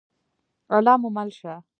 الله مو مل شه؟